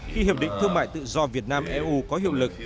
khi hiệp định thương mại tự do việt nam eu có hiệu lực